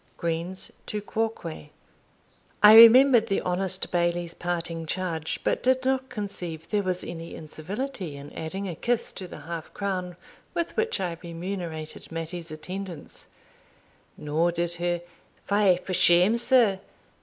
Greene's Tu Quoque. I remembered the honest Bailie's parting charge, but did not conceive there was any incivility in adding a kiss to the half crown with which I remunerated Mattie's attendance; nor did her "Fie for shame, sir!"